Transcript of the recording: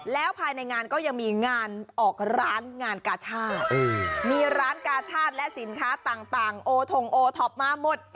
แล้วภายในงานก็ยังมีงานออกร้านงานกาชาติมีร้านกาชาติและสินค้าต่างโอทงโอท็อปมาหมด